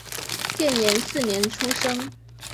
建炎四年出生。